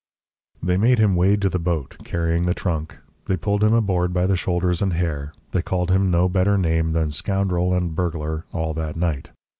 They made him wade to the boat, carrying the trunk, they pulled him aboard by the shoulders and hair, they called him no better name than "scoundrel" and "burglar" all that night.